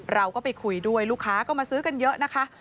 เราก็ไปคุยด้วยลูกค้าก็มาซื้อกันเยอะนะคะ